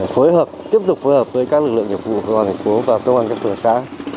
phối hợp tiếp tục phối hợp với các lực lượng nhập vụ của cơ quan thành phố và cơ quan chức năng xã